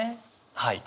はい。